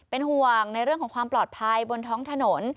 เป็นห่วงในเรื่องของความปลอดภัยบนท้องถนน